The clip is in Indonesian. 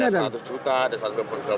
dan untuk kelanjutan santrinya ada